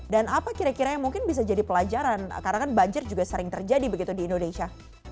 dan apa kira kira yang mungkin bisa jadi pelajaran karena kan banjir juga sering terjadi begitu di indonesia